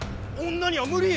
女には無理！